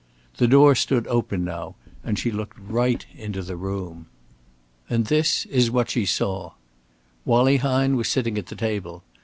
The door stood open now, and she looked right into the room. And this is what she saw: Wallie Hine was sitting at the table.